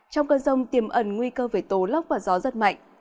trong cơn rông tiềm ẩn nguy cơ về tố lốc và gió giật mạnh